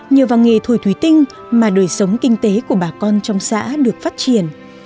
nhờ vào nghề thổi thủy tinh mà đời sống kinh tế của bà con trong xã được phát triển